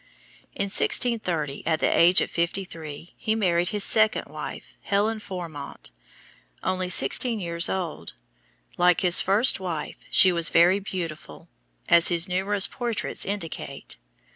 In 1630, at the age of fifty three, he married his second wife, Helen Fourmont, only sixteen years old. Like his first wife she was very beautiful, as his numerous portraits indicate.